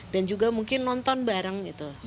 dan juga mungkin nonton bareng itu